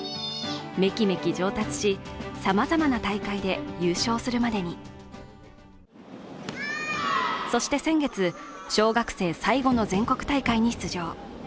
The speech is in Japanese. メキメキ上達し、様々な大会で優勝するまでにそして先月、小学生最後の全国大会に出場。